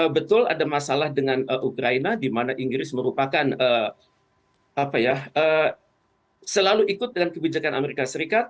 betul ada masalah dengan ukraina di mana inggris merupakan selalu ikut dengan kebijakan amerika serikat